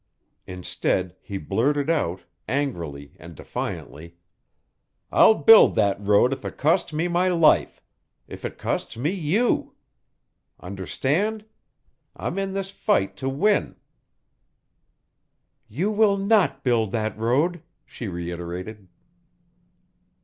Instead he blurted out, angrily and defiantly: "I'll build that road if it costs me my life if it costs me you. Understand! I'm in this fight to win." "You will not build that road," she reiterated.